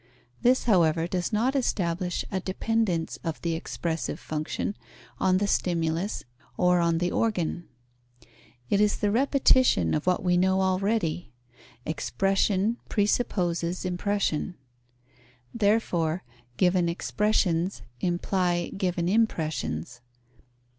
This, however, does not establish a dependence of the expressive function on the stimulus or on the organ. It is the repetition of what we know already: expression presupposes impression. Therefore, given expressions imply given impressions.